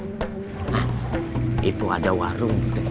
nah itu ada warung